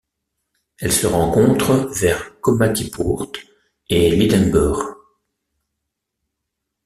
Elle se rencontre vers Komatipoort et Lydenburg.